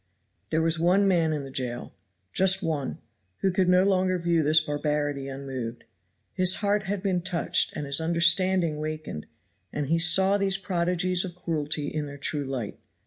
There was one man in the jail, just one, who could no longer view this barbarity unmoved. His heart had been touched and his understanding wakened, and he saw these prodigies of cruelty in their true light.